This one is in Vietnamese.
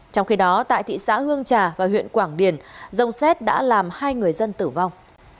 trong khi đó tại thị xã hương trà và huyện quảng điền rông xét đã làm hai người dân tử vong